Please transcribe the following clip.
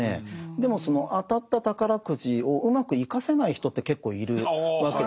でもその当たった宝くじをうまく生かせない人って結構いるわけですよね。